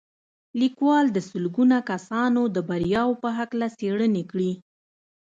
لیکوال د سلګونه کسانو د بریاوو په هکله څېړنې کړي